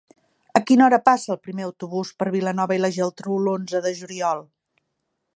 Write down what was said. A quina hora passa el primer autobús per Vilanova i la Geltrú l'onze de juliol?